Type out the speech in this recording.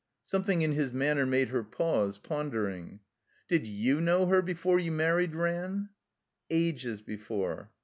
Something in his manner made her patise, pon dering. "Did you know her before you married, Ran?" "Ages before."